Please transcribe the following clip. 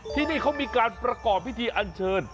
ที่นี่เขามีการประกอบพิธีอันเชิญ